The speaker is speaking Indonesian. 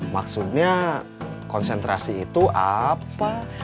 maksudnya konsentrasi itu apa